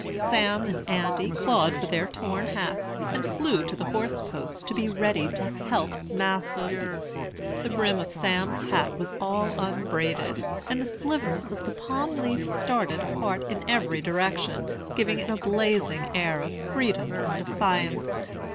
Sam and Andy clawed for their torn hats, and flew to the horse posts to be ready to 'help Mas'r.' The brim of Sam's hat was all unbraided, and the slivers of the palm leaf started apart in every direction, giving it a blazing air of freedom and defiance.